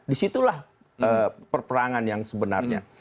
di situlah perperangan yang sebenarnya